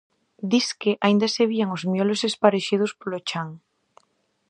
Disque aínda se vían os miolos esparexidos polo chan.